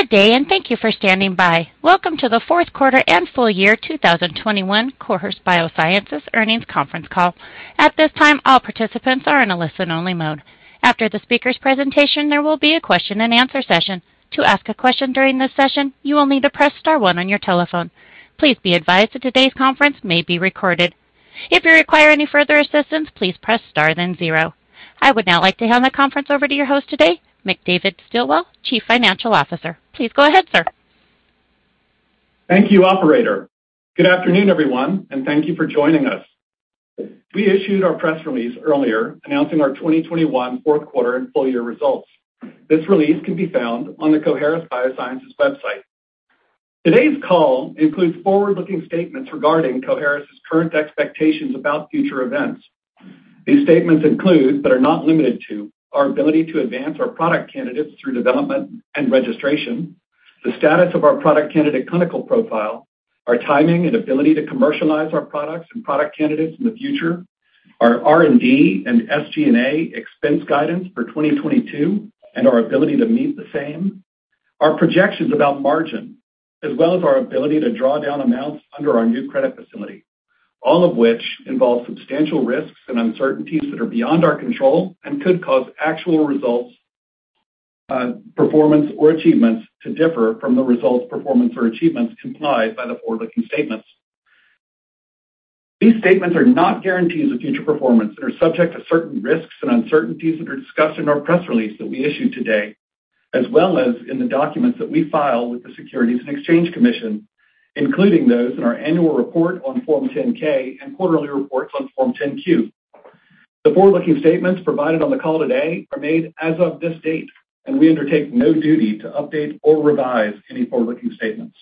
Good day, and thank you for standing by. Welcome to the fourth quarter and full year 2021 Coherus BioSciences earnings conference call. At this time, all participants are in a listen-only mode. After the speaker's presentation, there will be a question-and-answer session. To ask a question during this session, you will need to press star one on your telephone. Please be advised that today's conference may be recorded. If you require any further assistance, please press star, then zero. I would now like to hand the conference over to your host today, McDavid Stilwell, Chief Financial Officer. Please go ahead, sir. Thank you, operator. Good afternoon, everyone, and thank you for joining us. We issued our press release earlier announcing our 2021 fourth quarter and full-year results. This release can be found on the Coherus BioSciences website. Today's call includes forward-looking statements regarding Coherus's current expectations about future events. These statements include, but are not limited to, our ability to advance our product candidates through development and registration, the status of our product candidate clinical profile, our timing and ability to commercialize our products and product candidates in the future, our R&D and SG&A expense guidance for 2022 and our ability to meet the same, our projections about margin as well as our ability to draw down amounts under our new credit facility. All of which involve substantial risks and uncertainties that are beyond our control and could cause actual results, performance or achievements to differ from the results, performance or achievements implied by the forward-looking statements. These statements are not guarantees of future performance and are subject to certain risks and uncertainties that are discussed in our press release that we issued today, as well as in the documents that we file with the Securities and Exchange Commission, including those in our annual report on Form 10-K and quarterly reports on Form 10-Q. The forward-looking statements provided on the call today are made as of this date, and we undertake no duty to update or revise any forward-looking statements.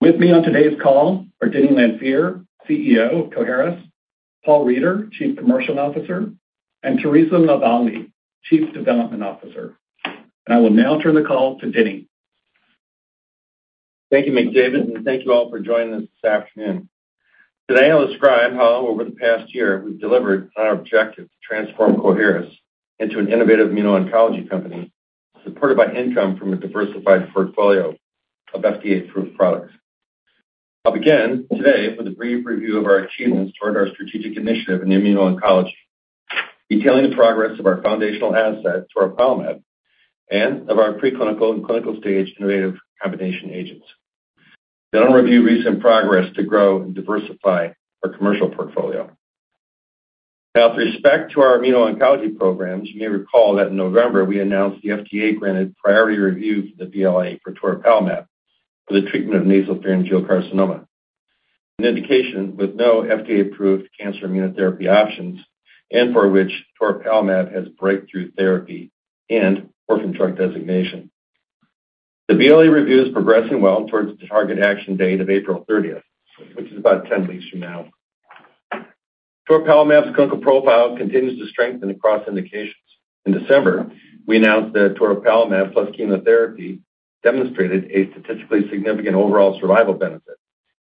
With me on today's call are Denny Lanfear, CEO of Coherus, Paul Reider, Chief Commercial Officer, and Theresa LaVallee, Chief Development Officer. I will now turn the call to Denny. Thank you, McDavid, and thank you all for joining us this afternoon. Today, I'll describe how over the past year, we've delivered on our objective to transform Coherus into an innovative immuno-oncology company supported by income from a diversified portfolio of FDA-approved products. I'll begin today with a brief review of our achievements toward our strategic initiative in immuno-oncology, detailing the progress of our foundational asset, toripalimab, and of our preclinical and clinical-stage innovative combination agents. Then I'll review recent progress to grow and diversify our commercial portfolio. Now, with respect to our immuno-oncology programs, you may recall that in November, we announced the FDA-granted priority review for the BLA for toripalimab for the treatment of nasopharyngeal carcinoma, an indication with no FDA-approved cancer immunotherapy options and for which toripalimab has Breakthrough Therapy and Orphan Drug designation. The BLA review is progressing well towards the target action date of April 30th, which is about 10 weeks from now. Toripalimab's clinical profile continues to strengthen across indications. In December, we announced that toripalimab plus chemotherapy demonstrated a statistically significant overall survival benefit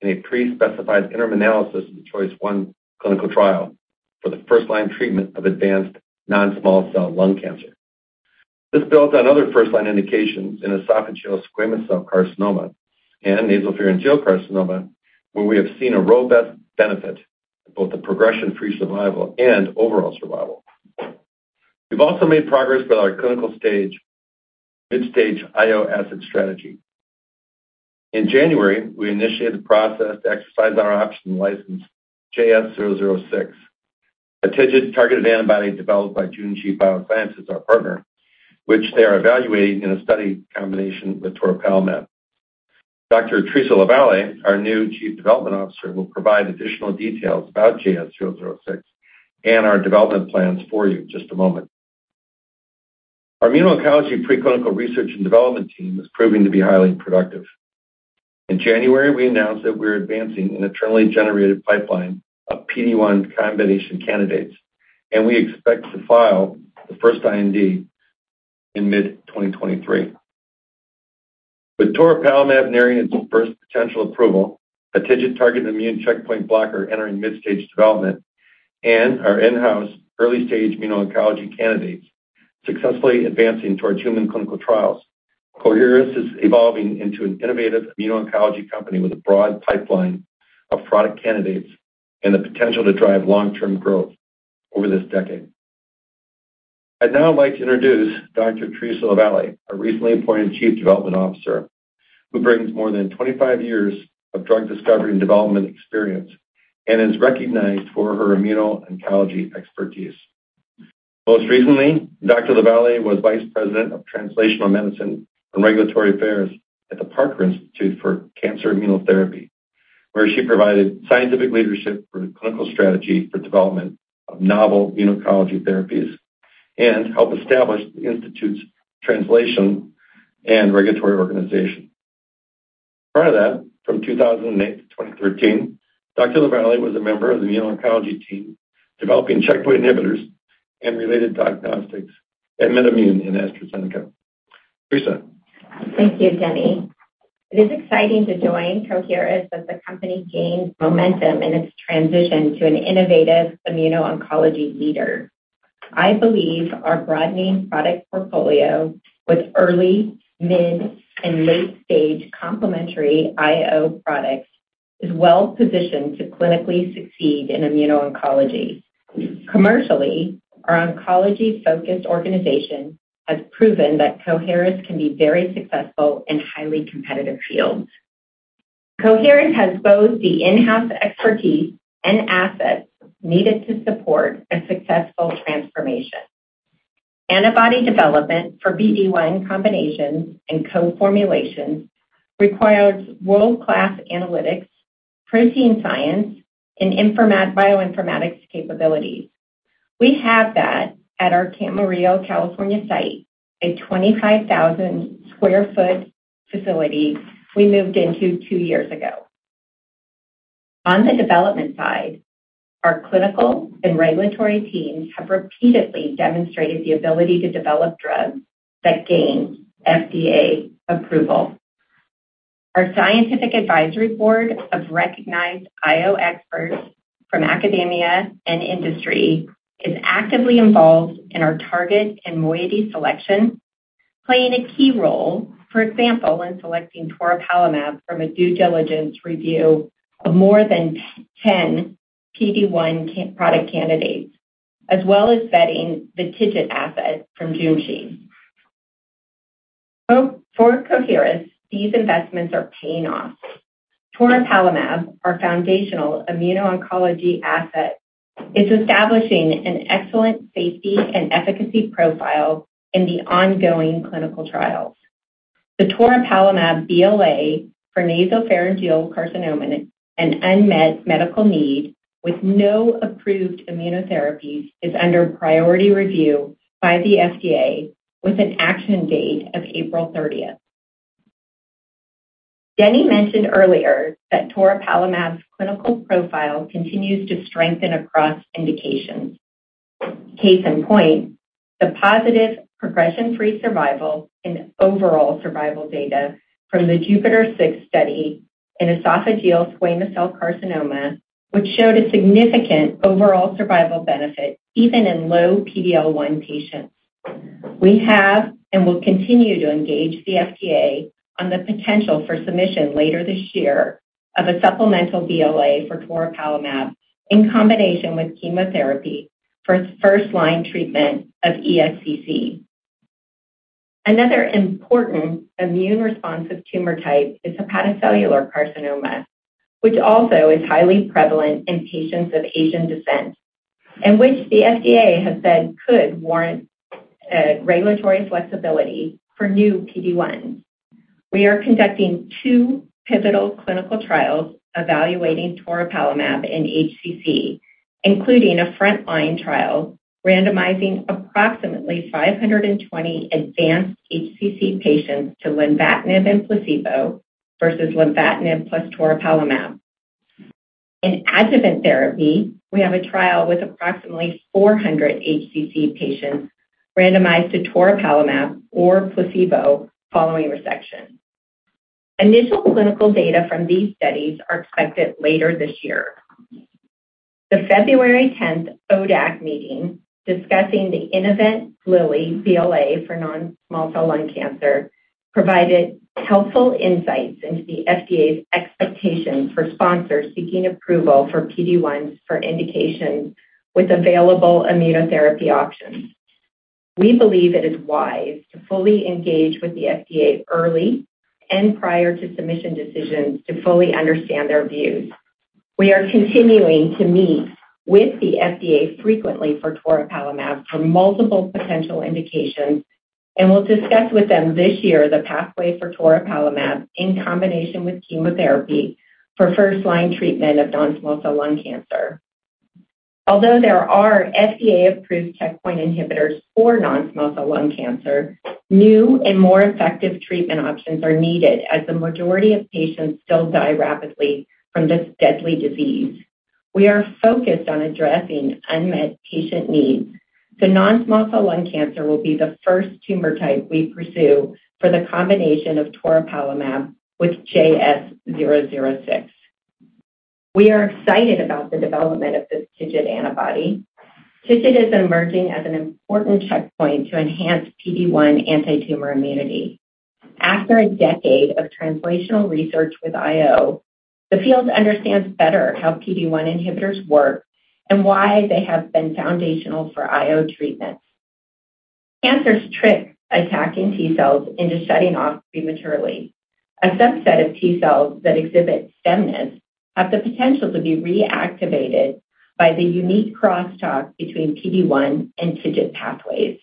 in a pre-specified interim analysis of the CHOICE-01 clinical trial for the first-line treatment of advanced non-small cell lung cancer. This builds on other first-line indications in esophageal squamous cell carcinoma and nasopharyngeal carcinoma, where we have seen a robust benefit in both the progression-free survival and overall survival. We've also made progress with our clinical stage mid-stage IO asset strategy. In January, we initiated the process to exercise our option to license JS006, a TIGIT-targeted antibody developed by Junshi Biosciences, our partner, which they are evaluating in a study combination with toripalimab. Dr. Theresa LaVallee, our new Chief Development Officer, will provide additional details about JS006 and our development plans for you in just a moment. Our immuno-oncology preclinical research and development team is proving to be highly productive. In January, we announced that we're advancing an internally generated pipeline of PD-1 combination candidates, and we expect to file the first IND in mid-2023. With toripalimab nearing its first potential approval, a TIGIT-targeted immune checkpoint blocker entering mid-stage development, and our in-house early-stage immuno-oncology candidates successfully advancing towards human clinical trials, Coherus is evolving into an innovative immuno-oncology company with a broad pipeline of product candidates and the potential to drive long-term growth over this decade. I'd now like to introduce Dr. Theresa LaVallee, our recently appointed Chief Development Officer, who brings more than 25 years of drug discovery and development experience and is recognized for her immuno-oncology expertise. Most recently, Dr. LaVallee was Vice President of Translational Medicine and Regulatory Affairs at the Parker Institute for Cancer Immunotherapy, where she provided scientific leadership for the clinical strategy for development of novel immuno-oncology therapies and helped establish the institute's translational and regulatory organization. Prior to that, from 2008 to 2013, Dr. LaVallee was a member of the immuno-oncology team, developing checkpoint inhibitors and related diagnostics at MedImmune and AstraZeneca. Theresa. Thank you, Denny. It is exciting to join Coherus as the company gains momentum in its transition to an innovative immuno-oncology leader. I believe our broadening product portfolio with early, mid, and late-stage complementary IO products is well-positioned to clinically succeed in immuno-oncology. Commercially, our oncology-focused organization has proven that Coherus can be very successful in highly competitive fields. Coherus has both the in-house expertise and assets needed to support a successful transformation. Antibody development for PD-1 combinations and co-formulations requires world-class analytics, protein science, and bioinformatics capabilities. We have that at our Camarillo, California site, a 25,000 sq ft facility we moved into two years ago. On the development side, our clinical and regulatory teams have repeatedly demonstrated the ability to develop drugs that gain FDA approval. Our scientific advisory board of recognized IO experts from academia and industry is actively involved in our target and moiety selection, playing a key role, for example, in selecting toripalimab from a due diligence review of more than 10 PD-1 product candidates, as well as vetting the TIGIT asset from Junshi. For Coherus, these investments are paying off. Toripalimab, our foundational immuno-oncology asset, is establishing an excellent safety and efficacy profile in the ongoing clinical trials. The toripalimab BLA for nasopharyngeal carcinoma, an unmet medical need with no approved immunotherapies, is under priority review by the FDA with an action date of April 30th. Denny mentioned earlier that toripalimab's clinical profile continues to strengthen across indications. Case in point, the positive progression-free survival and overall survival data from the JUPITER-06 study in esophageal squamous cell carcinoma, which showed a significant overall survival benefit even in low PD-L1 patients. We have and will continue to engage the FDA on the potential for submission later this year of a supplemental BLA for toripalimab in combination with chemotherapy for first-line treatment of ESCC. Another important immune responsive tumor type is hepatocellular carcinoma, which also is highly prevalent in patients of Asian descent, and which the FDA has said could warrant regulatory flexibility for new PD-1. We are conducting two pivotal clinical trials evaluating toripalimab in HCC, including a front-line trial randomizing approximately 520 advanced HCC patients to lenvatinib and placebo versus lenvatinib plus toripalimab. In adjuvant therapy, we have a trial with approximately 400 HCC patients randomized to toripalimab or placebo following resection. Initial clinical data from these studies are expected later this year. The February 10th ODAC meeting discussing the Innovent Lilly BLA for non-small cell lung cancer provided helpful insights into the FDA's expectations for sponsors seeking approval for PD-1 for indications with available immunotherapy options. We believe it is wise to fully engage with the FDA early and prior to submission decisions to fully understand their views. We are continuing to meet with the FDA frequently for toripalimab for multiple potential indications, and we'll discuss with them this year the pathway for toripalimab in combination with chemotherapy for first-line treatment of non-small cell lung cancer. Although there are FDA-approved checkpoint inhibitors for non-small cell lung cancer, new and more effective treatment options are needed as the majority of patients still die rapidly from this deadly disease. We are focused on addressing unmet patient needs, so non-small cell lung cancer will be the first tumor type we pursue for the combination of toripalimab with JS006. We are excited about the development of this TIGIT antibody. TIGIT is emerging as an important checkpoint to enhance PD-1 antitumor immunity. After a decade of translational research with IO, the field understands better how PD-1 inhibitors work and why they have been foundational for IO treatment. Cancers trick attacking T-cells into shutting off prematurely. A subset of T-cells that exhibit stemness have the potential to be reactivated by the unique crosstalk between PD-1 and TIGIT pathways.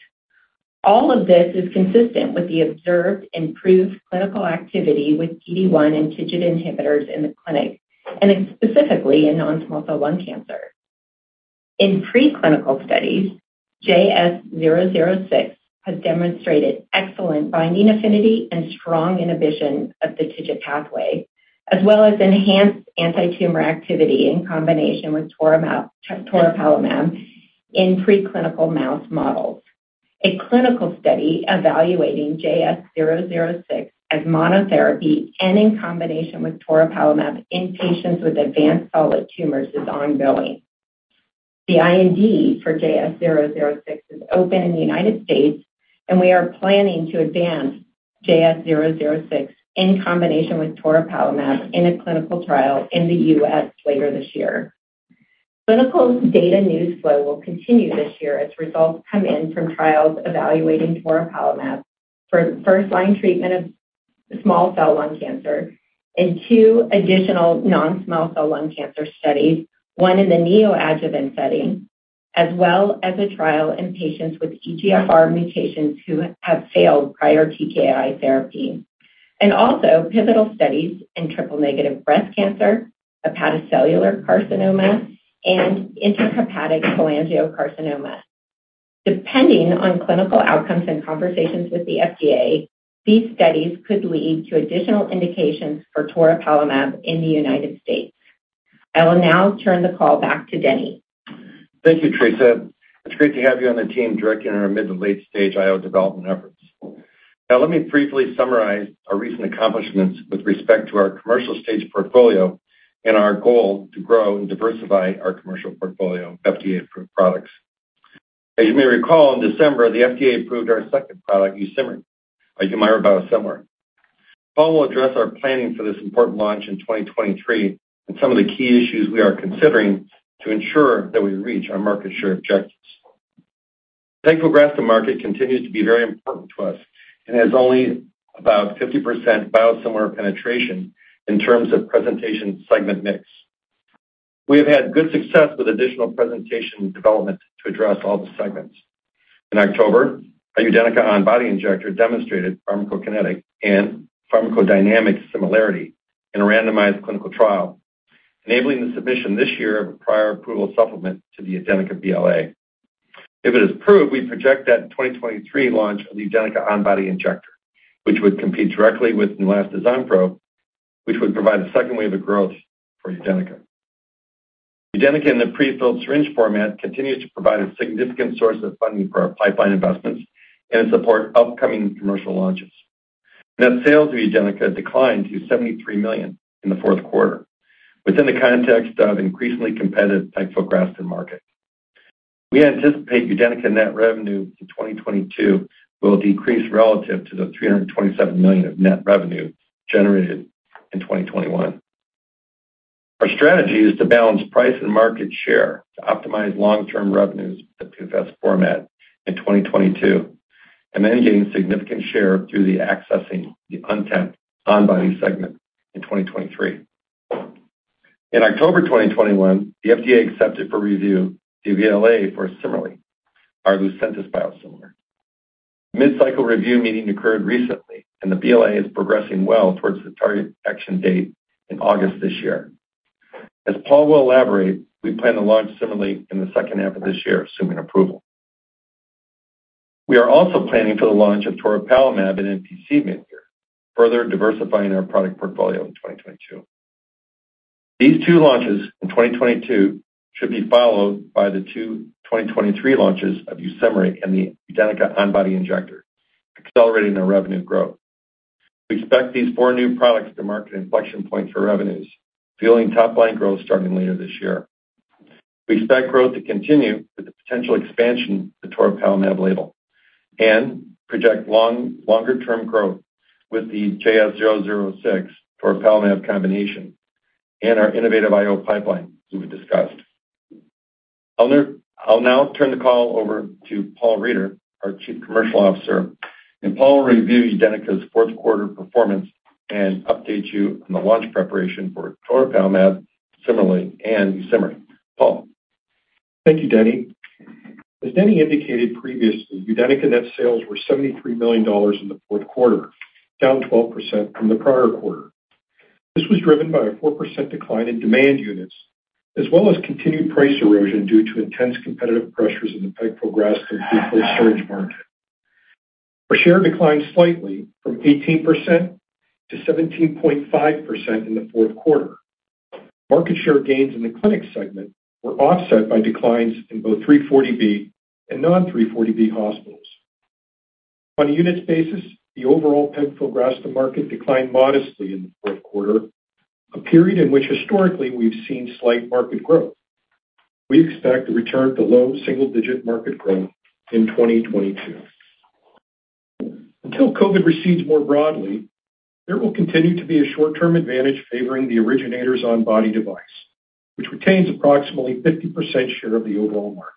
All of this is consistent with the observed improved clinical activity with PD-1 and TIGIT inhibitors in the clinic, and specifically in non-small cell lung cancer. In preclinical studies, JS006 has demonstrated excellent binding affinity and strong inhibition of the TIGIT pathway, as well as enhanced antitumor activity in combination with toripalimab in preclinical mouse models. A clinical study evaluating JS006 as monotherapy and in combination with toripalimab in patients with advanced solid tumors is ongoing. The IND for JS006 is open in the United States, and we are planning to advance JS006 in combination with toripalimab in a clinical trial in the U.S. later this year. Clinical data news flow will continue this year as results come in from trials evaluating toripalimab for first-line treatment of small cell lung cancer in two additional non-small cell lung cancer studies, one in the neoadjuvant setting, as well as a trial in patients with EGFR mutations who have failed prior TKI therapy. Also pivotal studies in triple-negative breast cancer, hepatocellular carcinoma, and intrahepatic cholangiocarcinoma. Depending on clinical outcomes and conversations with the FDA, these studies could lead to additional indications for toripalimab in the United States. I will now turn the call back to Denny. Thank you, Theresa. It's great to have you on the team directing our mid to late stage IO development efforts. Now, let me briefly summarize our recent accomplishments with respect to our commercial stage portfolio and our goal to grow and diversify our commercial portfolio of FDA-approved products. As you may recall, in December, the FDA approved our second product, YUSIMRY, an adalimumab biosimilar. Paul will address our planning for this important launch in 2023 and some of the key issues we are considering to ensure that we reach our market share objectives. Pegfilgrastim market continues to be very important to us and has only about 50% biosimilar penetration in terms of presentation segment mix. We have had good success with additional presentation development to address all the segments. In October, our UDENYCA on-body injector demonstrated pharmacokinetic and pharmacodynamic similarity in a randomized clinical trial, enabling the submission this year of a prior approval supplement to the UDENYCA BLA. If it is approved, we project that the 2023 launch of the UDENYCA on-body injector, which would compete directly with Neulasta Onpro, which would provide a second wave of growth for UDENYCA. UDENYCA in the prefilled syringe format continues to provide a significant source of funding for our pipeline investments and support upcoming commercial launches. Net sales of UDENYCA declined to $73 million in the fourth quarter within the context of increasingly competitive pegfilgrastim market. We anticipate UDENYCA net revenue in 2022 will decrease relative to the $327 million of net revenue generated in 2021. Our strategy is to balance price and market share to optimize long-term revenues with the PFS format in 2022, and then gain significant share through accessing the untapped on-body segment in 2023. In October 2021, the FDA accepted for review the BLA for CIMERLI, our Lucentis biosimilar. Mid-cycle review meeting occurred recently, and the BLA is progressing well towards the target action date in August this year. As Paul will elaborate, we plan to launch CIMERLI in the second half of this year, assuming approval. We are also planning for the launch of toripalimab in NPC mid-year, further diversifying our product portfolio in 2022. These two launches in 2022 should be followed by the 2023 launches of YUSIMRY and the UDENYCA on-body injector, accelerating our revenue growth. We expect these four new products to mark an inflection point for revenues, fueling top-line growth starting later this year. We expect growth to continue with the potential expansion of the toripalimab label and project longer-term growth with the JS006 toripalimab combination and our innovative IO pipeline that we discussed. I'll now turn the call over to Paul Reider, our Chief Commercial Officer, and Paul will review UDENYCA's fourth quarter performance and update you on the launch preparation for toripalimab, CIMERLI and YUSIMRY. Paul? Thank you, Denny. As Denny indicated previously, UDENYCA net sales were $73 million in the fourth quarter, down 12% from the prior quarter. This was driven by a 4% decline in demand units, as well as continued price erosion due to intense competitive pressures in the pegfilgrastim prefilled syringe market. Our share declined slightly from 18% to 17.5% in the fourth quarter. Market share gains in the clinic segment were offset by declines in both 340B and non-340B hospitals. On a units basis, the overall pegfilgrastim market declined modestly in the fourth quarter, a period in which historically we've seen slight market growth. We expect to return to low single-digit market growth in 2022. Until COVID recedes more broadly, there will continue to be a short-term advantage favoring the originator's on-body device, which retains approximately 50% share of the overall market.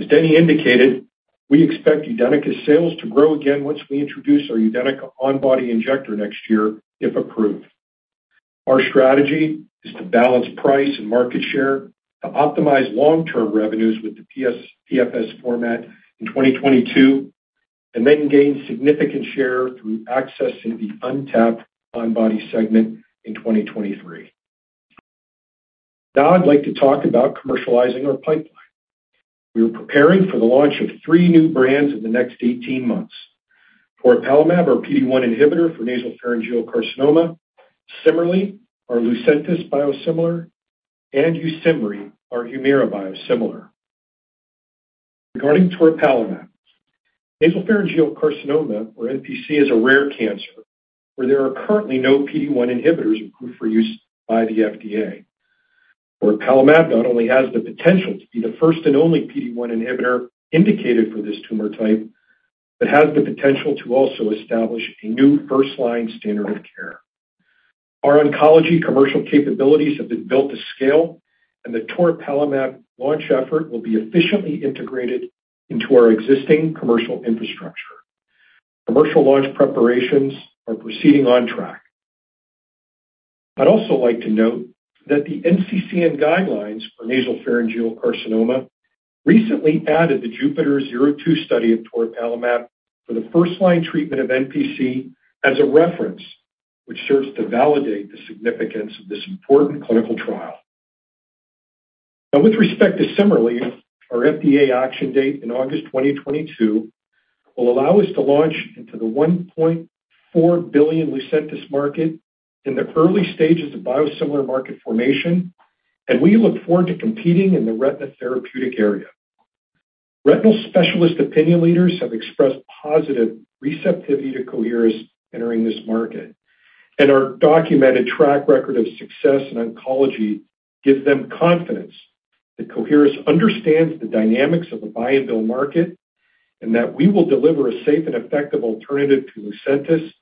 As Denny indicated, we expect UDENYCA's sales to grow again once we introduce our UDENYCA on-body injector next year, if approved. Our strategy is to balance price and market share, to optimize long-term revenues with the prefilled syringe (PFS) format in 2022, and then gain significant share through accessing the untapped on-body segment in 2023. Now I'd like to talk about commercializing our pipeline. We are preparing for the launch of three new brands in the next 18 months. Toripalimab, our PD-1 inhibitor for nasopharyngeal carcinoma, CIMERLI, our Lucentis biosimilar, and YUSIMRY, our Humira biosimilar. Regarding Toripalimab, nasopharyngeal carcinoma, or NPC, is a rare cancer where there are currently no PD-1 inhibitors approved for use by the FDA. Toripalimab not only has the potential to be the first and only PD-1 inhibitor indicated for this tumor type, but has the potential to also establish a new first-line standard of care. Our oncology commercial capabilities have been built to scale, and the toripalimab launch effort will be efficiently integrated into our existing commercial infrastructure. Commercial launch preparations are proceeding on track. I'd also like to note that the NCCN guidelines for nasopharyngeal carcinoma recently added the JUPITER-02 study of toripalimab for the first-line treatment of NPC as a reference, which serves to validate the significance of this important clinical trial. Now with respect to CIMERLI, our FDA action date in August 2022 will allow us to launch into the $1.4 billion Lucentis market in the early stages of biosimilar market formation, and we look forward to competing in the retina therapeutic area. Retinal specialist opinion leaders have expressed positive receptivity to Coherus entering this market, and our documented track record of success in oncology gives them confidence that Coherus understands the dynamics of the buy-and-bill market, and that we will deliver a safe and effective alternative to Lucentis,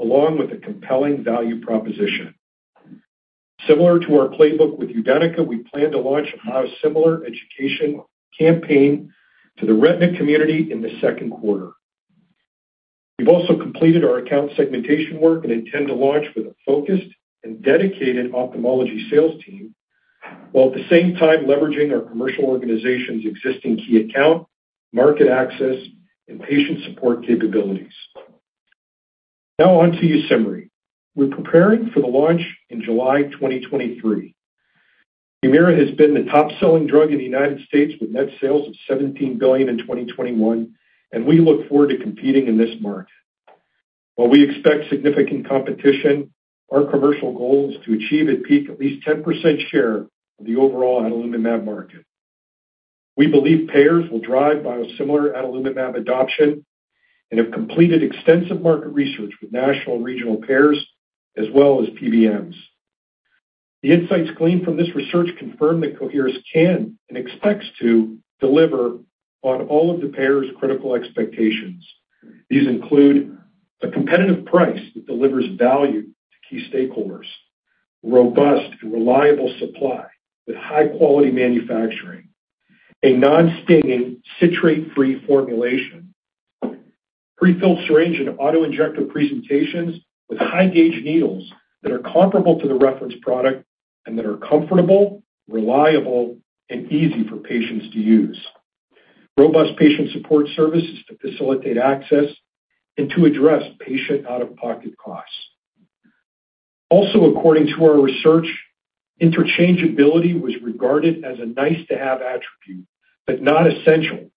along with a compelling value proposition. Similar to our playbook with UDENYCA, we plan to launch a biosimilar education campaign to the retina community in the second quarter. We've also completed our account segmentation work and intend to launch with a focused and dedicated ophthalmology sales team, while at the same time leveraging our commercial organization's existing key account, market access, and patient support capabilities. Now on to YUSIMRY. We're preparing for the launch in July 2023. Humira has been the top-selling drug in the United States with net sales of $17 billion in 2021, and we look forward to competing in this market. While we expect significant competition, our commercial goal is to achieve at peak at least 10% share of the overall adalimumab market. We believe payers will drive biosimilar adalimumab adoption and have completed extensive market research with national and regional payers as well as PBMs. The insights gleaned from this research confirm that Coherus can and expects to deliver on all of the payers' critical expectations. These include a competitive price that delivers value to key stakeholders, robust and reliable supply with high-quality manufacturing, a non-stinging citrate-free formulation, prefilled syringe and autoinjector presentations with high-gauge needles that are comparable to the reference product and that are comfortable, reliable, and easy for patients to use, robust patient support services to facilitate access and to address patient out-of-pocket costs. Also according to our research, interchangeability was regarded as a nice-to-have attribute, but not essential,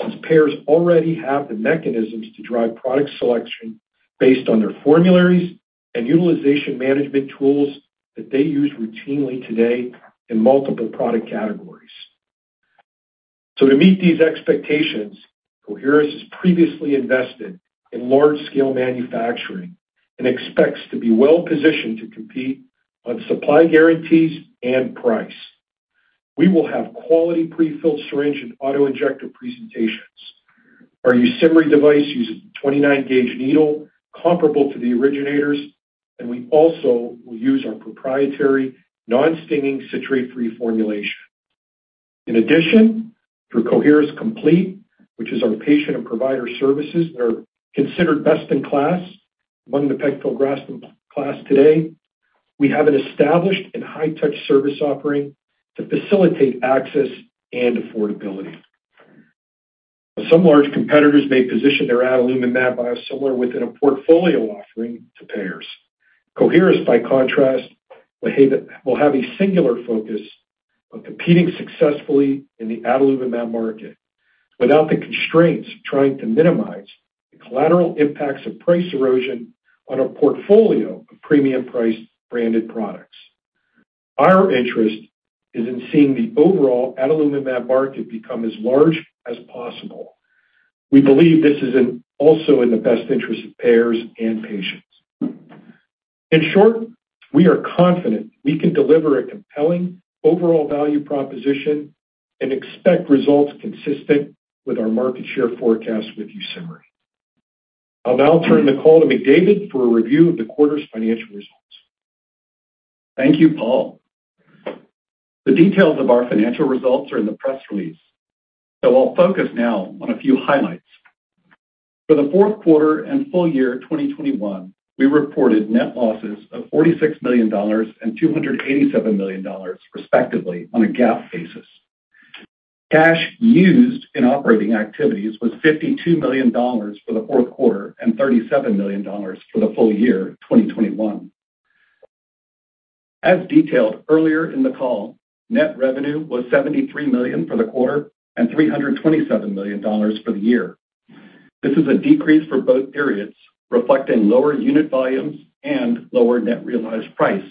since payers already have the mechanisms to drive product selection based on their formularies and utilization management tools that they use routinely today in multiple product categories. To meet these expectations, Coherus has previously invested in large-scale manufacturing and expects to be well-positioned to compete on supply guarantees and price. We will have quality prefilled syringe and autoinjector presentations. Our YUSIMRY device uses a 29-gauge needle comparable to the originator's, and we also will use our proprietary non-stinging citrate-free formulation. In addition, through Coherus Complete, which is our patient and provider services that are considered best in class among the pegfilgrastim class today, we have an established and high-touch service offering to facilitate access and affordability. Some large competitors may position their adalimumab biosimilar within a portfolio offering to payers. Coherus, by contrast, will have a singular focus on competing successfully in the adalimumab market without the constraints of trying to minimize the collateral impacts of price erosion on a portfolio of premium-priced branded products. Our interest is in seeing the overall adalimumab market become as large as possible. We believe this is also in the best interest of payers and patients. In short, we are confident we can deliver a compelling overall value proposition and expect results consistent with our market share forecast with YUSIMRY. I'll now turn the call to McDavid for a review of the quarter's financial results. Thank you, Paul. The details of our financial results are in the press release, so I'll focus now on a few highlights. For the fourth quarter and full year 2021, we reported net losses of $46 million and $287 million, respectively, on a GAAP basis. Cash used in operating activities was $52 million for the fourth quarter and $37 million for the full year 2021. As detailed earlier in the call, net revenue was $73 million for the quarter and $327 million for the year. This is a decrease for both periods, reflecting lower unit volumes and lower net realized price.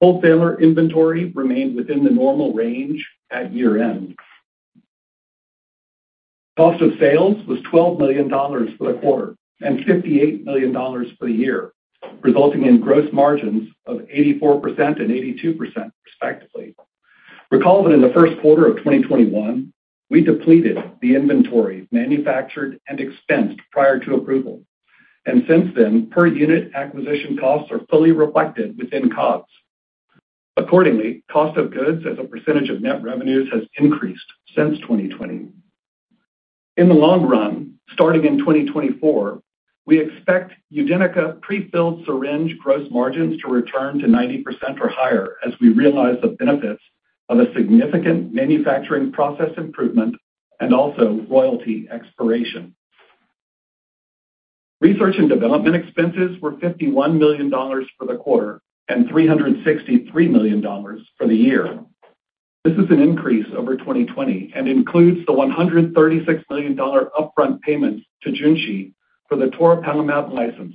Wholesaler inventory remained within the normal range at year-end. Cost of sales was $12 million for the quarter and $58 million for the year, resulting in gross margins of 84% and 82% respectively. Recall that in the first quarter of 2021, we depleted the inventory manufactured and expensed prior to approval. Since then, per-unit acquisition costs are fully reflected within COGS. Accordingly, cost of goods as a percentage of net revenues has increased since 2020. In the long run, starting in 2024, we expect UDENYCA prefilled syringe gross margins to return to 90% or higher as we realize the benefits of a significant manufacturing process improvement and also royalty expiration. Research and development expenses were $51 million for the quarter and $363 million for the year. This is an increase over 2020 and includes the $136 million upfront payments to Junshi for the toripalimab license,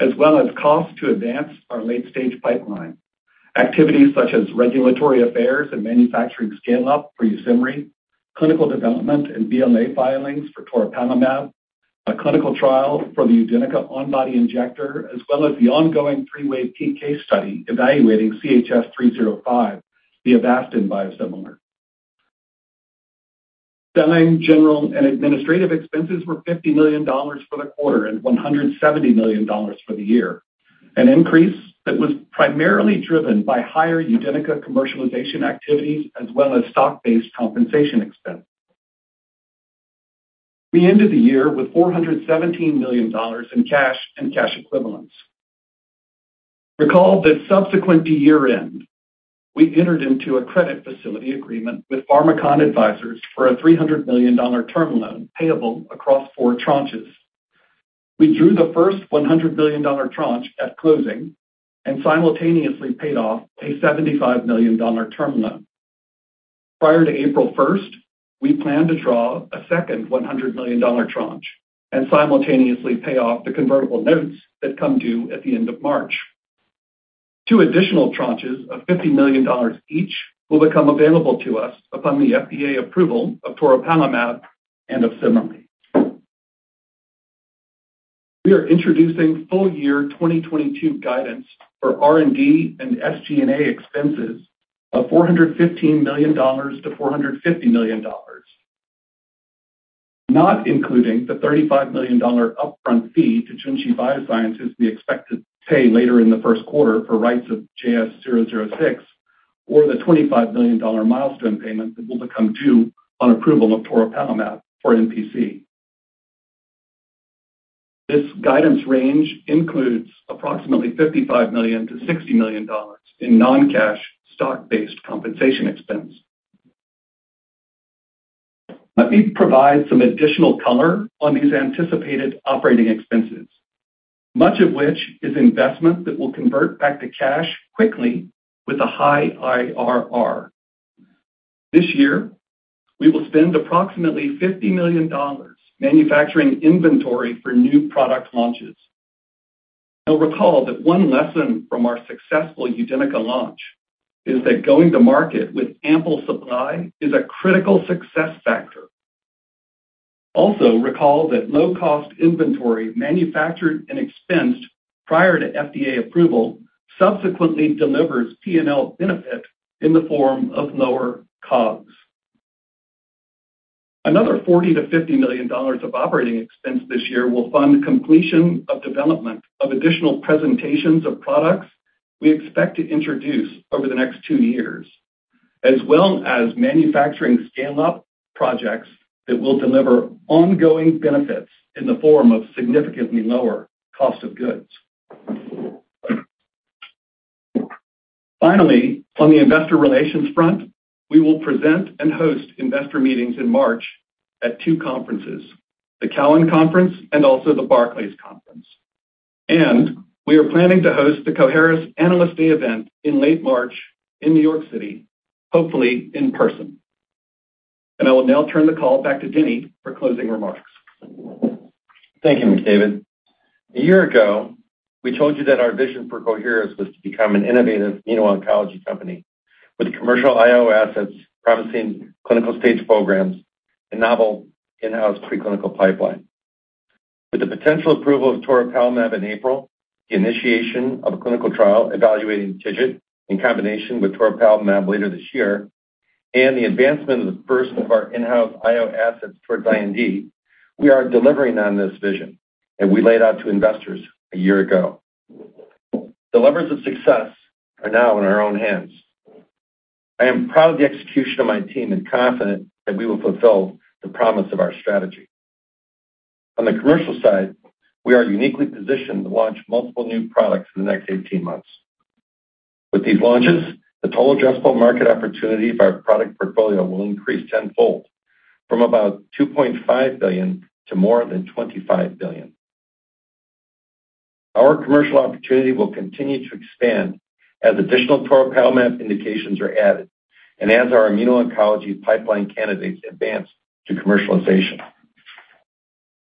as well as costs to advance our late-stage pipeline, activities such as regulatory affairs and manufacturing scale-up for YUSIMRY, clinical development and BLA filings for toripalimab, a clinical trial for the UDENYCA on-body injector, as well as the ongoing three-way PK study evaluating CHS-305, the Avastin biosimilar. Selling, general, and administrative expenses were $50 million for the quarter and $170 million for the year, an increase that was primarily driven by higher UDENYCA commercialization activities as well as stock-based compensation expense. We ended the year with $417 million in cash and cash equivalents. Recall that subsequent to year-end, we entered into a credit facility agreement with Pharmakon Advisors for a $300 million term loan payable across four tranches. We drew the first $100 million tranche at closing and simultaneously paid off a $75 million term loan. Prior to April 1st, we plan to draw a second $100 million tranche and simultaneously pay off the convertible notes that come due at the end of March. Two additional tranches of $50 million each will become available to us upon the FDA approval of toripalimab and of YUSIMRY. We are introducing full year 2022 guidance for R&D and SG&A expenses of $415 million-$450 million, not including the $35 million upfront fee to Junshi Biosciences we expect to pay later in the first quarter for rights of JS006 or the $25 million milestone payment that will become due on approval of toripalimab for NPC. This guidance range includes approximately $55 million-$60 million in non-cash stock-based compensation expense. Let me provide some additional color on these anticipated operating expenses, much of which is investment that will convert back to cash quickly with a high IRR. This year, we will spend approximately $50 million manufacturing inventory for new product launches. You'll recall that one lesson from our successful UDENYCA launch is that going to market with ample supply is a critical success factor. Recall that low-cost inventory manufactured and expensed prior to FDA approval subsequently delivers P&L benefit in the form of lower COGS. Another $40 million-$50 million of operating expense this year will fund completion of development of additional presentations of products we expect to introduce over the next two years, as well as manufacturing scale-up projects that will deliver ongoing benefits in the form of significantly lower cost of goods. Finally, on the investor relations front, we will present and host investor meetings in March at two conferences, the Cowen conference and also the Barclays conference. We are planning to host the Coherus Analyst Day event in late March in New York City, hopefully in person. I will now turn the call back to Denny for closing remarks. Thank you, McDavid. A year ago, we told you that our vision for Coherus was to become an innovative immuno-oncology company with commercial IO assets, promising clinical-stage programs, a novel in-house preclinical pipeline. With the potential approval of toripalimab in April, the initiation of a clinical trial evaluating TIGIT in combination with toripalimab later this year, and the advancement of the first of our in-house IO assets towards IND, we are delivering on this vision that we laid out to investors a year ago. The levers of success are now in our own hands. I am proud of the execution of my team and confident that we will fulfill the promise of our strategy. On the commercial side, we are uniquely positioned to launch multiple new products in the next 18 months. With these launches, the total addressable market opportunity of our product portfolio will increase tenfold from about $2.5 billion to more than $25 billion. Our commercial opportunity will continue to expand as additional toripalimab indications are added and as our immuno-oncology pipeline candidates advance to commercialization.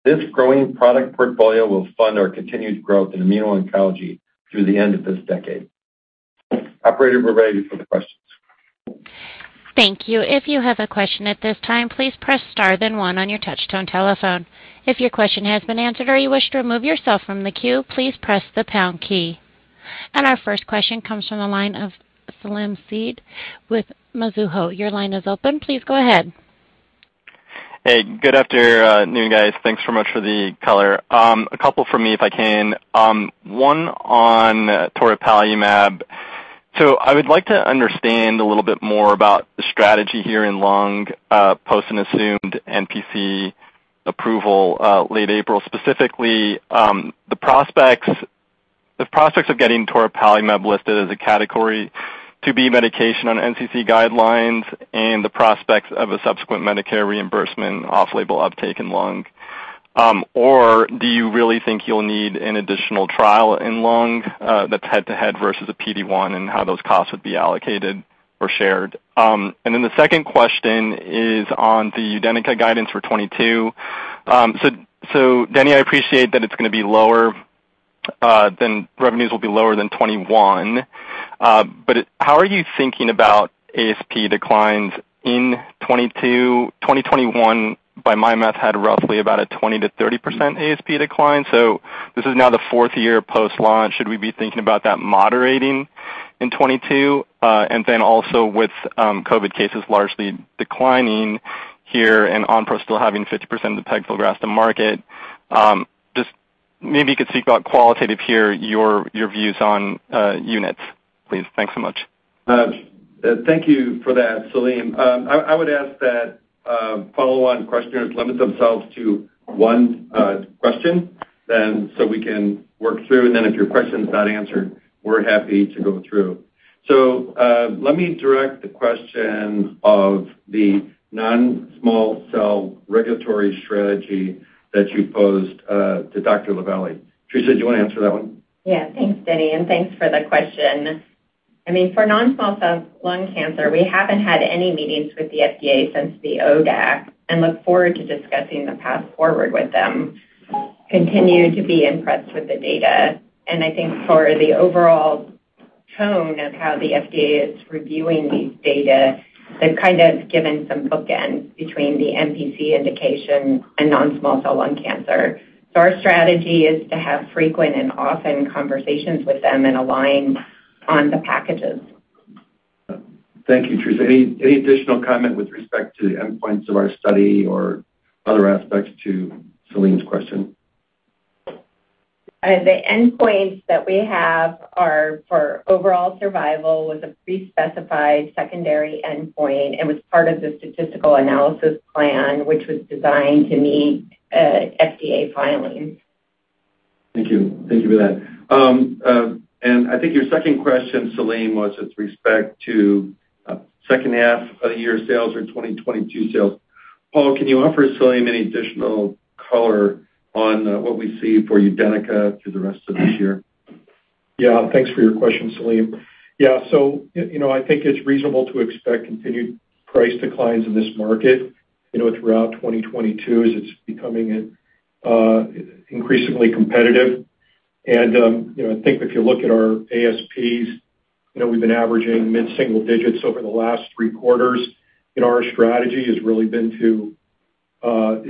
This growing product portfolio will fund our continued growth in immuno-oncology through the end of this decade. Operator, we're ready for the questions. Thank you. If you have a question at this time, please press star then one on your touchtone telephone. If your question has been answered or you wish to remove yourself from the queue, please press the pound key. Our first question comes from the line of Salim Syed with Mizuho. Your line is open. Please go ahead. Hey, good afternoon, guys. Thanks so much for the color. A couple from me, if I can. One on toripalimab. I would like to understand a little bit more about the strategy here in lung post an assumed NPC approval late April, specifically the prospects of getting toripalimab listed as a category 2B medication on NCCN guidelines and the prospects of a subsequent Medicare reimbursement off-label uptake in lung. Or do you really think you'll need an additional trial in lung that's head-to-head versus a PD-1 and how those costs would be allocated or shared? And then the second question is on the UDENYCA guidance for 2022. Denny, I appreciate that revenues will be lower than 2021. How are you thinking about ASP declines in 2022, 2021, by my math, had roughly about a 20%-30% ASP decline. This is now the fourth year post-launch. Should we be thinking about that moderating in 2022? With COVID cases largely declining here and Onpro still having 50% of the pegfilgrastim market, just maybe you could speak about qualitative here, your views on units, please. Thanks so much. Thank you for that, Salim. I would ask that follow-on questioners limit themselves to one question then so we can work through. If your question is not answered, we're happy to go through. Let me direct the question of the non-small cell regulatory strategy that you posed to Dr. LaVallee. Theresa, do you wanna answer that one? Yeah. Thanks, Denny. Thanks for the question. I mean, for non-small cell lung cancer, we haven't had any meetings with the FDA since the ODAC, and look forward to discussing the path forward with them and continue to be impressed with the data. I think for the overall tone of how the FDA is reviewing these data, they've kind of given some bookends between the NPC indication and non-small cell lung cancer. Our strategy is to have frequent and often conversations with them and align on the packages. Thank you, Theresa. Any additional comment with respect to the endpoints of our study or other aspects to Salim's question? The endpoints that we have are for overall survival with a pre-specified secondary endpoint and was part of the statistical analysis plan, which was designed to meet FDA filings. Thank you. Thank you for that. I think your second question, Salim, was with respect to second half of the year sales or 2022 sales. Paul, can you offer Salim any additional color on what we see for UDENYCA through the rest of this year? Yeah. Thanks for your question, Salim. Yeah. You know, I think it's reasonable to expect continued price declines in this market, you know, throughout 2022 as it's becoming increasingly competitive. You know, I think if you look at our ASPs, you know, we've been averaging mid-single digits over the last three quarters. Our strategy has really been to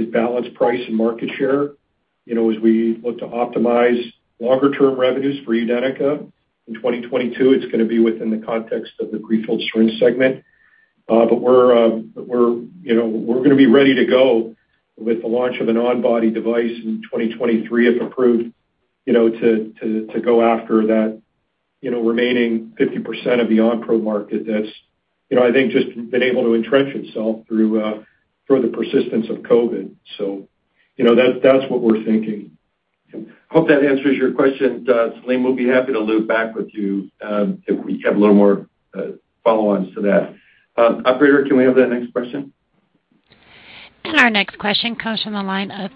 balance price and market share, you know, as we look to optimize longer-term revenues for UDENYCA. In 2022, it's gonna be within the context of the prefilled syringe segment. We're gonna be ready to go with the launch of an on-body device in 2023, if approved, you know, to go after that remaining 50% of the Onpro market that's, you know, I think just been able to entrench itself through the persistence of COVID. You know, that's what we're thinking. Hope that answers your question, Salim. We'll be happy to loop back with you, if we have a little more follow-ons to that. Operator, can we have that next question? Our next question comes from the line of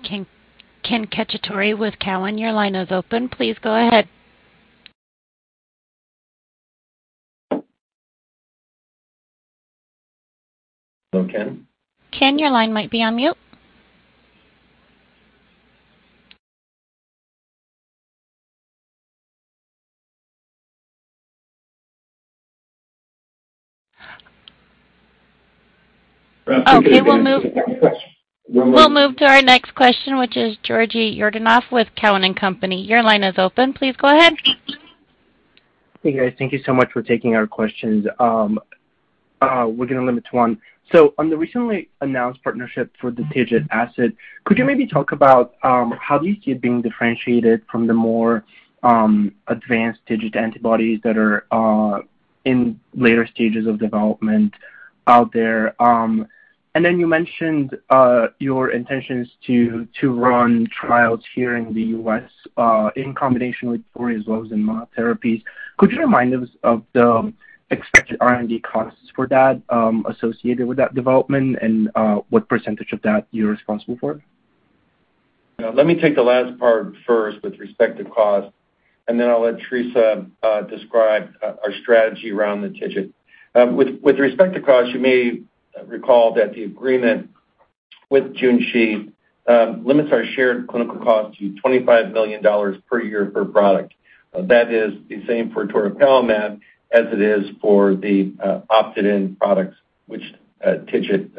Ken Cacciatore with Cowen. Your line is open. Please go ahead. Hello, Ken. Ken, your line might be on mute. Okay. We'll move to our next question, which is Georgi Yordanov with Cowen and Company. Your line is open. Please go ahead. Hey, guys. Thank you so much for taking our questions. We're gonna limit to one. On the recently announced partnership for the TIGIT asset, could you maybe talk about how do you see it being differentiated from the more advanced TIGIT antibodies that are in later stages of development out there? And then you mentioned your intentions to run trials here in the U.S. in combination with toripalimab and in monotherapies. Could you remind us of the expected R&D costs for that associated with that development and what percentage of that you're responsible for? Now let me take the last part first with respect to cost, and then I'll let Theresa describe our strategy around the TIGIT. With respect to cost, you may recall that the agreement with Junshi limits our shared clinical cost to $25 million per year per product. That is the same for toripalimab as it is for the opted-in products which TIGIT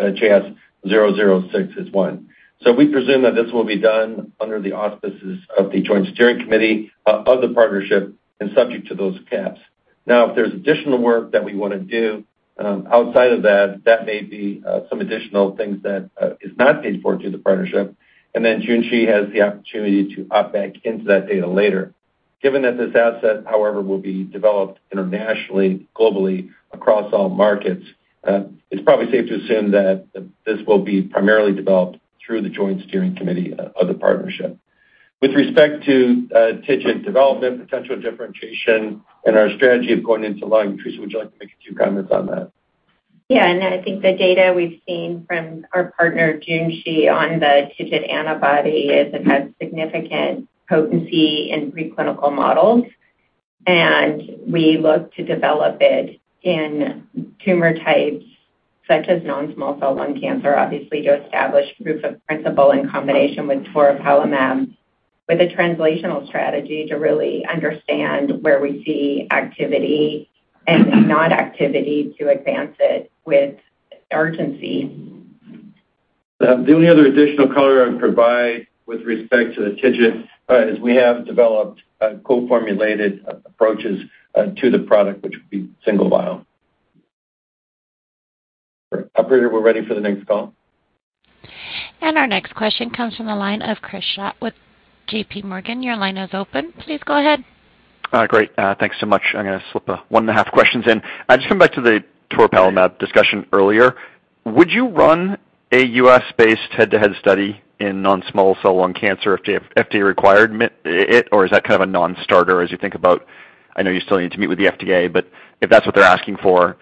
JS006 is one. We presume that this will be done under the auspices of the Joint Steering Committee of the partnership and subject to those caps. Now, if there's additional work that we wanna do outside of that may be some additional things that is not paid for through the partnership, and then Junshi has the opportunity to opt back into that data later. Given that this asset, however, will be developed internationally, globally, across all markets, it's probably safe to assume that this will be primarily developed through the Joint Steering Committee of the partnership. With respect to TIGIT development, potential differentiation, and our strategy of going into line, Theresa, would you like to make a few comments on that? Yeah. I think the data we've seen from our partner, Junshi, on the TIGIT antibody is that it has significant potency in preclinical models. We look to develop it in tumor types such as non-small cell lung cancer, obviously to establish proof of principle in combination with toripalimab with a translational strategy to really understand where we see activity and non-activity to advance it with urgency. The only other additional color I would provide with respect to the TIGIT is we have developed co-formulated approaches to the product, which would be single vial. Operator, we're ready for the next call. Our next question comes from the line of Chris Schott with JPMorgan. Your line is open. Please go ahead. Great. Thanks so much. I'm gonna slip one and a half questions in. Just coming back to the toripalimab discussion earlier, would you run a U.S.-based head-to-head study in non-small cell lung cancer if the FDA required it, or is that kind of a non-starter as you think about, I know you still need to meet with the FDA, but if that's what they're asking for,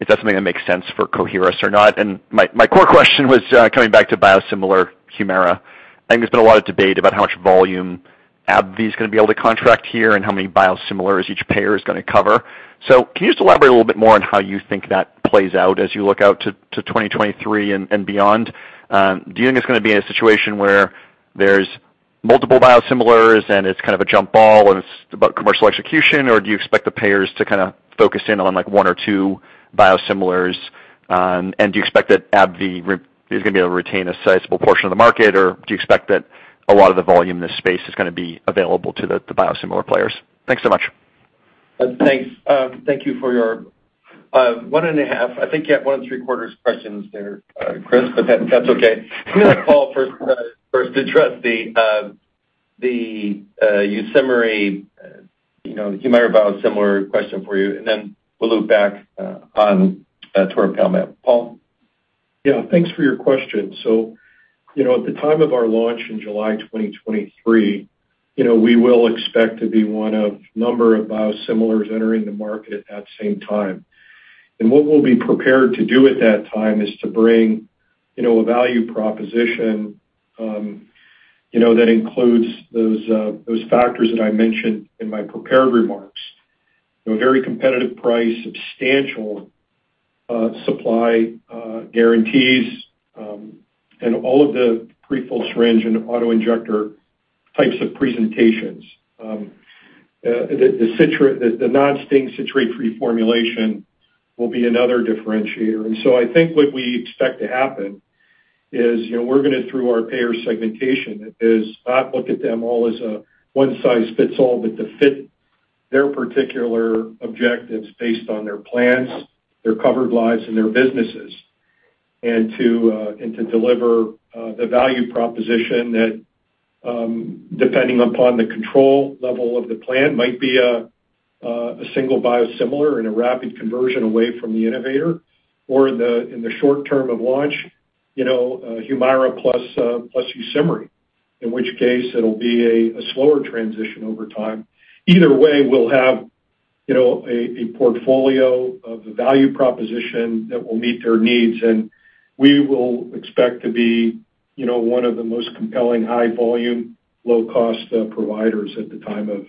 is that something that makes sense for Coherus or not? And my core question was, coming back to biosimilar Humira. I think there's been a lot of debate about how much volume AbbVie is gonna be able to contract here and how many biosimilars each payer is gonna cover. So can you just elaborate a little bit more on how you think that plays out as you look out to 2023 and beyond? Do you think it's gonna be in a situation where there's multiple biosimilars, and it's kind of a jump ball, and it's about commercial execution, or do you expect the payers to kinda focus in on, like, one or two biosimilars? Do you expect that AbbVie is gonna be able to retain a sizable portion of the market, or do you expect that a lot of the volume in this space is gonna be available to the biosimilar players? Thanks so much. Thanks. Thank you for your one and a half. I think you had one and a quarter questions there, Chris, but that's okay. I'm gonna let Paul first address the YUSIMRY, you know, Humira biosimilar question for you, and then we'll loop back on toripalimab. Paul? Yeah, thanks for your question. You know, at the time of our launch in July 2023, you know, we will expect to be one of a number of biosimilars entering the market at that same time. What we'll be prepared to do at that same time is to bring, you know, a value proposition, you know, that includes those factors that I mentioned in my prepared remarks. A very competitive price, substantial supply guarantees, and all of the prefilled syringe and autoinjector types of presentations. The citrate-free formulation will be another differentiator. I think what we expect to happen is, you know, we're gonna through our payer segmentation not look at them all as a one size fits all, but to fit their particular objectives based on their plans, their covered lives, and their businesses. To deliver the value proposition that, depending upon the control level of the plan, might be a single biosimilar and a rapid conversion away from the innovator. Or in the short term of launch, you know, Humira plus YUSIMRY, in which case it'll be a slower transition over time. Either way, we'll have, you know, a portfolio of the value proposition that will meet their needs, and we will expect to be, you know, one of the most compelling high volume, low cost providers at the time of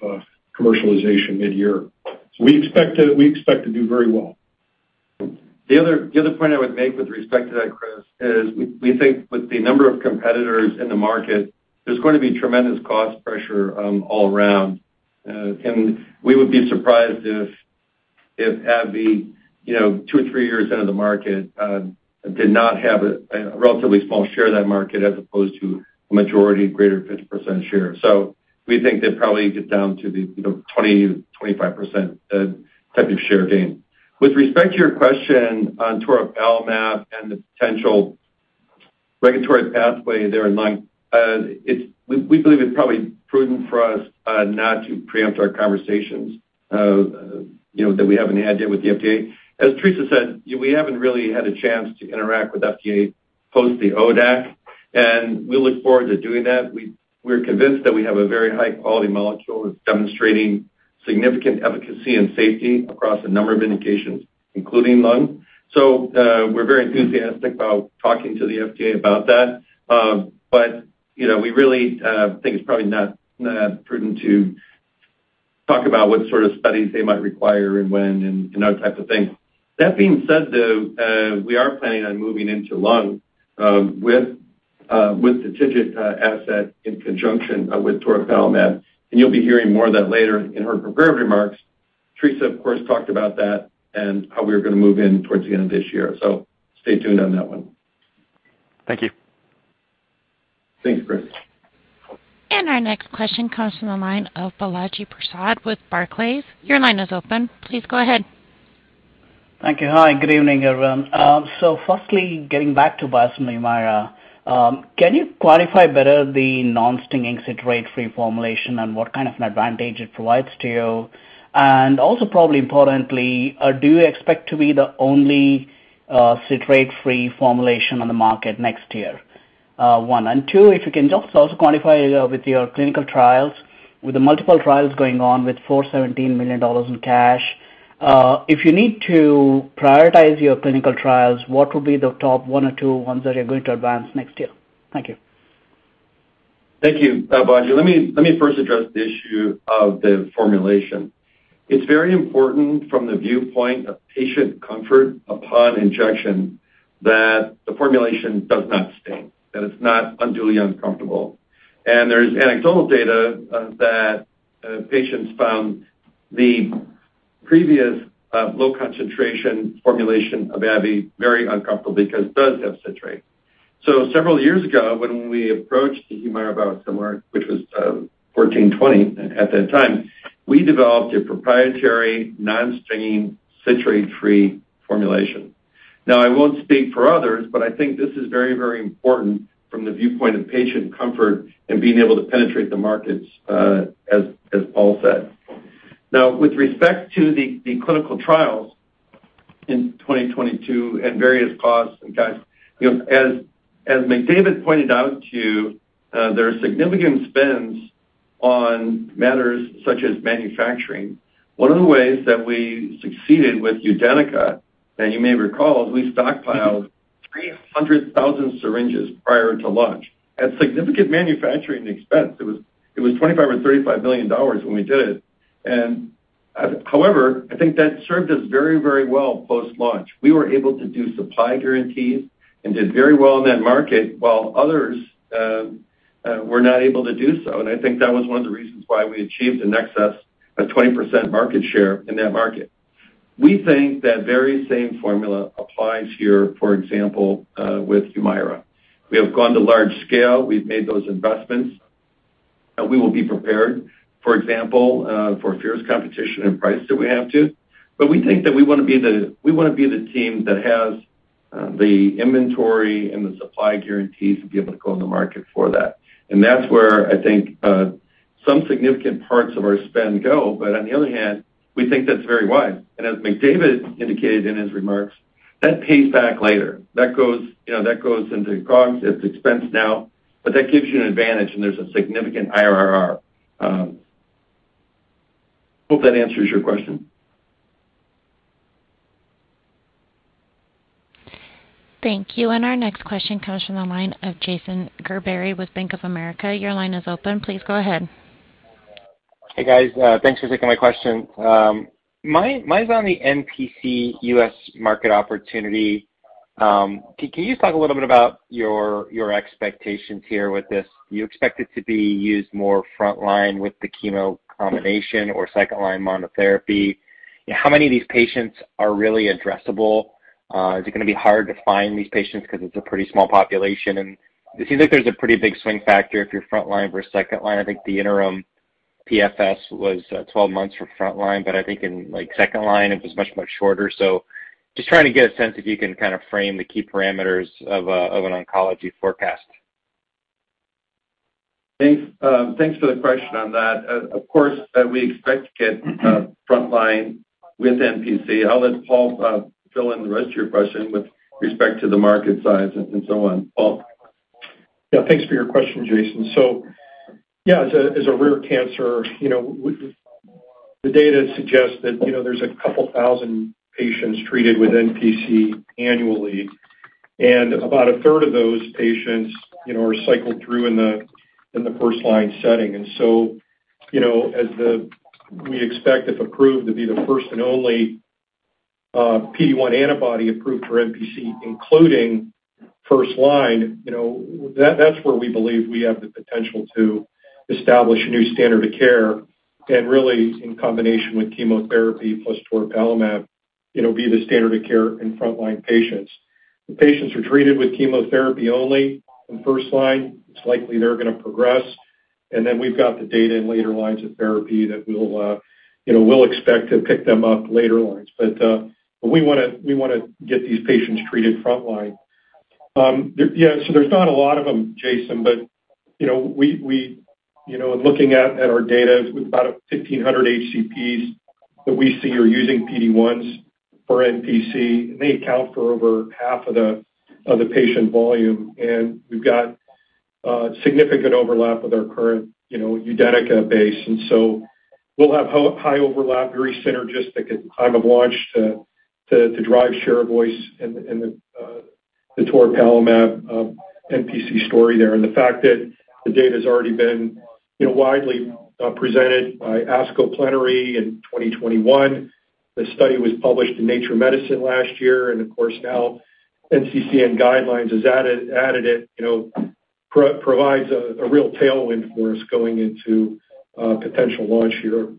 commercialization midyear. We expect to do very well. The other point I would make with respect to that, Chris, is we think with the number of competitors in the market, there's going to be tremendous cost pressure all around. We would be surprised if AbbVie, you know, two or three years into the market, did not have a relatively small share of that market as opposed to a majority greater than 50% share. We think they'd probably get down to the, you know, 20%-25% type of share gain. With respect to your question on toripalimab and the potential regulatory pathway there in line, we believe it's probably prudent for us not to preempt our conversations, you know, that we haven't had yet with the FDA. As Theresa said, we haven't really had a chance to interact with FDA post the ODAC, and we look forward to doing that. We're convinced that we have a very high-quality molecule that's demonstrating significant efficacy and safety across a number of indications, including lung. We're very enthusiastic about talking to the FDA about that. You know, we really think it's probably not prudent to talk about what sort of studies they might require and when and other types of things. That being said, though, we are planning on moving into lung with the TIGIT asset in conjunction with toripalimab, and you'll be hearing more of that later in her prepared remarks. Theresa, of course, talked about that and how we are gonna move in towards the end of this year. Stay tuned on that one. Thank you. Thanks, Chris. Our next question comes from the line of Balaji Prasad with Barclays. Your line is open. Please go ahead. Thank you. Hi, good evening, everyone. Firstly, getting back to biosimilar Humira, can you qualify better the non-stinging citrate-free formulation and what kind of an advantage it provides to you? Also probably importantly, do you expect to be the only citrate-free formulation on the market next year? One, and two, if you can just also quantify with your clinical trials, with the multiple trials going on with $417 million in cash, if you need to prioritize your clinical trials, what will be the top one or two ones that are going to advance next year? Thank you. Thank you, Balaji. Let me first address the issue of the formulation. It's very important from the viewpoint of patient comfort upon injection that the formulation does not sting, that it's not unduly uncomfortable. There's anecdotal data that patients found the previous low concentration formulation of AbbVie very uncomfortable because it does have citrate. Several years ago, when we approached the Humira biosimilar, which was CHS-1420 at that time, we developed a proprietary non-stinging citrate-free formulation. Now, I won't speak for others, but I think this is very, very important from the viewpoint of patient comfort and being able to penetrate the markets, as Paul said. Now, with respect to the clinical trials in 2022 and various costs and guides, as McDavid pointed out to you, there are significant spends on matters such as manufacturing. One of the ways that we succeeded with UDENYCA, and you may recall, is we stockpiled 300,000 syringes prior to launch at significant manufacturing expense. It was $25 million or $35 million when we did it. However, I think that served us very, very well post-launch. We were able to do supply guarantees and did very well in that market while others were not able to do so. I think that was one of the reasons why we achieved in excess of a 20% market share in that market. We think that very same formula applies here, for example, with Humira. We have gone to large scale. We've made those investments. We will be prepared, for example, for fierce competition and price that we have to. We think that we wanna be the team that has the inventory and the supply guarantees to be able to go in the market for that. That's where I think some significant parts of our spend go. On the other hand, we think that's very wise. As McDavid indicated in his remarks, that pays back later. That goes, you know, into costs. It's expense now, but that gives you an advantage, and there's a significant IRR. Hope that answers your question. Thank you. Our next question comes from the line of Jason Gerberry with Bank of America. Your line is open. Please go ahead. Hey, guys. Thanks for taking my question. Mine's on the NPC US market opportunity. Can you just talk a little bit about your expectations here with this? Do you expect it to be used more front line with the chemo combination or second line monotherapy? How many of these patients are really addressable? Is it gonna be hard to find these patients because it's a pretty small population? It seems like there's a pretty big swing factor if you're front line versus second line. I think the interim PFS was 12 months for front line, but I think in, like, second line, it was much, much shorter. Just trying to get a sense if you can kind of frame the key parameters of an oncology forecast. Thanks, thanks for the question on that. Of course, we expect to get front line with NPC. I'll let Paul fill in the rest of your question with respect to the market size and so on. Paul? Thanks for your question, Jason. As a rare cancer, you know, the data suggests that, you know, there's a couple thousand patients treated with NPC annually, and about a third of those patients, you know, are cycled through in the first-line setting. We expect, if approved, to be the first and only PD-1 antibody approved for NPC, including first-line, you know, that's where we believe we have the potential to establish a new standard of care. Really, in combination with chemotherapy plus toripalimab, it'll be the standard of care in front-line patients. The patients who are treated with chemotherapy only in first-line, it's likely they're gonna progress. We've got the data in later lines of therapy that we'll you know we'll expect to pick them up later lines. We wanna get these patients treated front line. So there's not a lot of them, Jason, but you know we you know looking at our data with about 1,500 HCPs that we see are using PD-1s for NPC, and they account for over half of the patient volume. We've got Significant overlap with our current, you know, UDENYCA base. We'll have high overlap, very synergistic at the time of launch to drive share voice in the, in the toripalimab, NPC story there. The fact that the data's already been, you know, widely, presented by ASCO Plenary in 2021. The study was published in Nature Medicine last year, and of course, now NCCN guidelines have added it, you know, provides a real tailwind for us going into, potential launch here.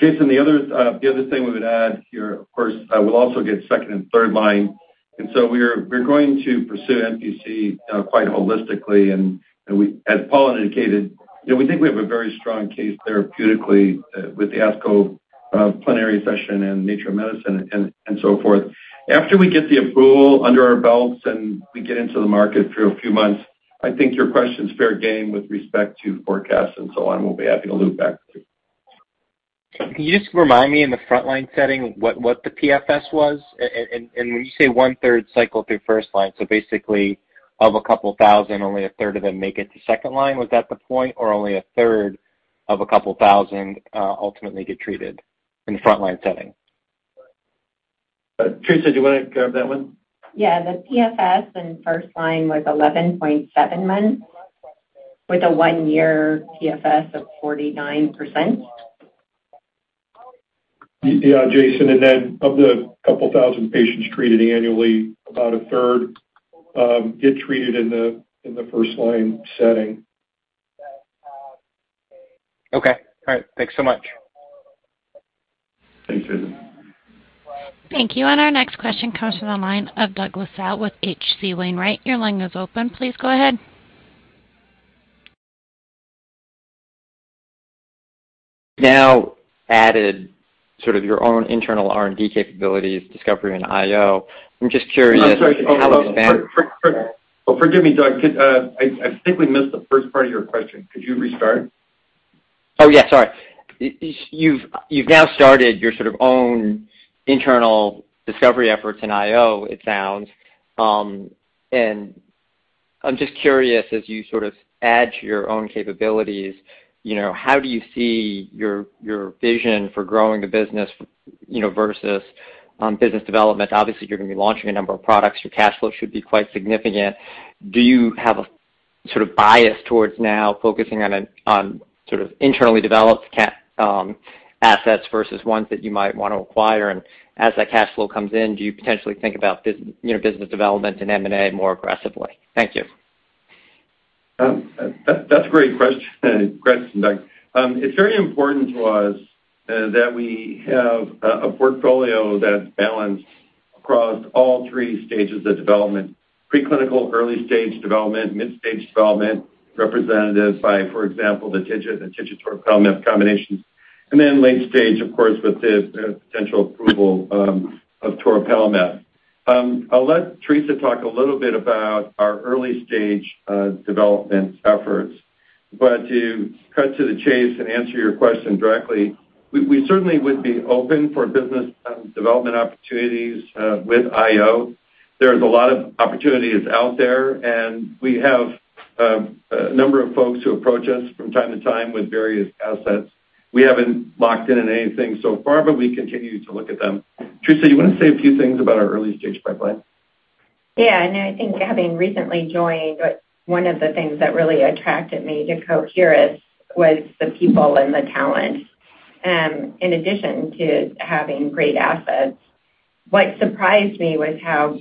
Jason, the other thing we would add here, of course, we'll also get second and third line, and so we're going to pursue NPC quite holistically and we, as Paul indicated, you know, we think we have a very strong case therapeutically with the ASCO Plenary Session and Nature Medicine and so forth. After we get the approval under our belts and we get into the market for a few months, I think your question's fair game with respect to forecasts and so on. We'll be happy to loop back to you. Can you just remind me in the frontline setting what the PFS was? And when you say 1/3 cycle through first line, so basically of 2,000, only a third of them make it to second line. Was that the point? Or only a third of 2,000 ultimately get treated in the frontline setting? Theresa, do you wanna grab that one? Yeah. The PFS in first-line was 11.7 months, with a one-year PFS of 49%. Yeah, Jason. Of the 2,000 patients treated annually, about a third get treated in the first-line setting. Okay. All right. Thanks so much. Thanks, Jason. Thank you. Our next question comes from the line of Douglas Tsao with H.C. Wainwright. Your line is open. Please go ahead. Now added sort of your own internal R&D capabilities, discovery, and IO. I'm just curious how it's been. Oh, forgive me, Doug. I think we missed the first part of your question. Could you restart? Oh, yeah, sorry. You've now started your sort of own internal discovery efforts in IO, it sounds. I'm just curious, as you sort of add to your own capabilities, you know, how do you see your vision for growing the business, you know, versus business development? Obviously, you're gonna be launching a number of products. Your cash flow should be quite significant. Do you have a sort of bias towards now focusing on sort of internally developed assets versus ones that you might wanna acquire? As that cash flow comes in, do you potentially think about you know, business development and M&A more aggressively? Thank you. That's a great question, Doug. It's very important to us that we have a portfolio that's balanced across all three stages of development, preclinical, early stage development, mid-stage development, represented by, for example, the TIGIT toripalimab combination, and then late stage, of course, with the potential approval of toripalimab. I'll let Theresa LaVallee talk a little bit about our early stage development efforts. To cut to the chase and answer your question directly, we certainly would be open for business development opportunities with IO. There's a lot of opportunities out there, and we have a number of folks who approach us from time to time with various assets. We haven't locked in on anything so far, but we continue to look at them. Theresa LaVallee, you wanna say a few things about our early-stage pipeline? I think having recently joined, one of the things that really attracted me to Coherus was the people and the talent, in addition to having great assets. What surprised me was how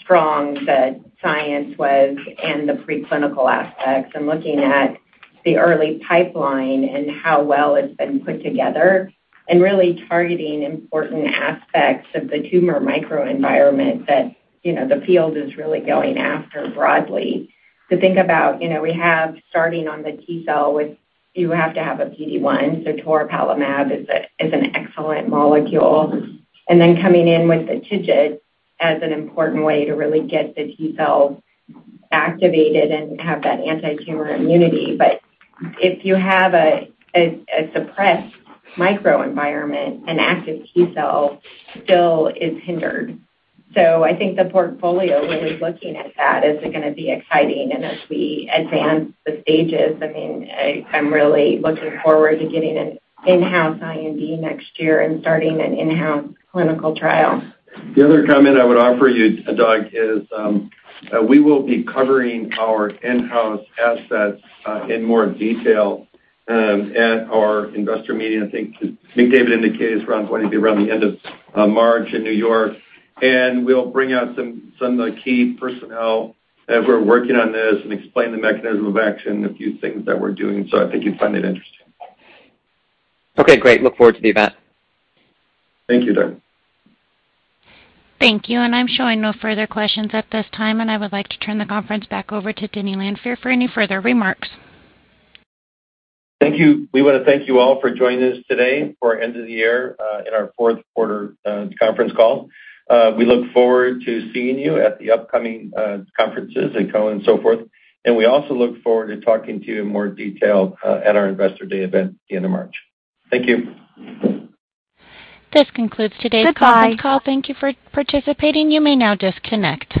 strong the science was and the preclinical aspects and looking at the early pipeline and how well it's been put together and really targeting important aspects of the tumor microenvironment that, you know, the field is really going after broadly. To think about, you know, we have starting on the T cell with you have to have a PD-1, so toripalimab is an excellent molecule. Then coming in with the TIGIT as an important way to really get the T cell activated and have that antitumor immunity. If you have a suppressed microenvironment, an active T cell still is hindered. I think the portfolio, really looking at that, is gonna be exciting. As we advance the stages, I mean, I'm really looking forward to getting an in-house IND next year and starting an in-house clinical trial. The other comment I would offer you, Doug, is we will be covering our in-house assets in more detail at our investor meeting. I think McDavid indicated it's going to be around the end of March in New York. We'll bring out some of the key personnel as we're working on this and explain the mechanism of action, a few things that we're doing, so I think you'd find it interesting. Okay, great. Look forward to the event. Thank you, Doug. Thank you. I'm showing no further questions at this time, and I would like to turn the conference back over to Denny Lanfear for any further remarks. Thank you. We wanna thank you all for joining us today for our end of the year and our fourth quarter conference call. We look forward to seeing you at the upcoming conferences at Cowen and so forth. We also look forward to talking to you in more detail at our investor day event end of March. Thank you. This concludes today's conference call. Thank you for participating. You may now disconnect.